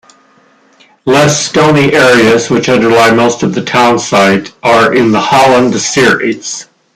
Less stony areas, which underlie most of the townsite, are in the Holland series.